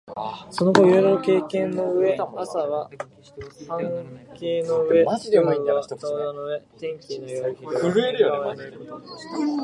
その後いろいろ経験の上、朝は飯櫃の上、夜は炬燵の上、天気のよい昼は縁側へ寝る事とした